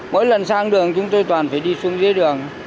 mỗi lần sang đường chúng tôi toàn phải đi xuống dưới đường